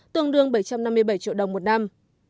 tương đương bảy trăm năm mươi bảy triệu đồng một năm